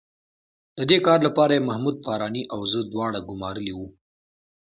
د دې کار لپاره یې محمود فاراني او زه دواړه ګومارلي وو.